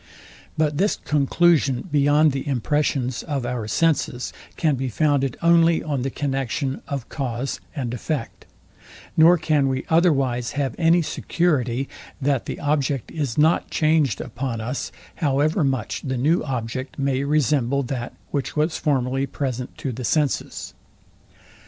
But this conclusion beyond the impressions of our senses can be founded only on the connexion of cause and effect; nor can we otherwise have any security, that the object is not changed upon us, however much the new object may resemble that which was formerly present to the senses.